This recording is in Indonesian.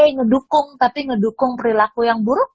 ngedukung tapi ngedukung perilaku yang buruk